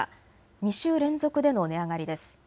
２週連続での値上がりです。